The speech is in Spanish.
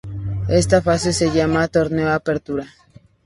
Esta fase se llama Torneo Apertura.